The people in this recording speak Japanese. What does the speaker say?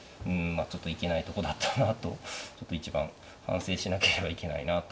まあちょっといけないとこだったなとちょっと一番反省しなければいけないなというところですね。